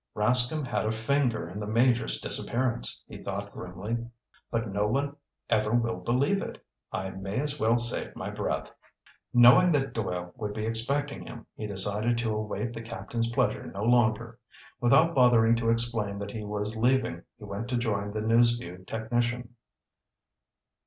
"Rascomb had a finger in the Major's disappearance," he thought grimly. "But no one ever will believe it. I may as well save my breath." Knowing that Doyle would be expecting him, he decided to await the Captain's pleasure no longer. Without bothering to explain that he was leaving, he went to join the News Vue technician.